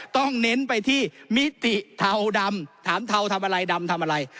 เน้นไปที่มิติเทาดำถามเทาทำอะไรดำทำอะไร